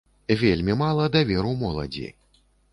Вельмі мала даверу моладзі.